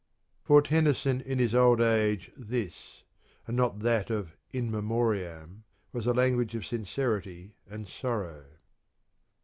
For Tennyson in his old age this, and not that of " In Memoriam," was the language of sincerity and sorrow.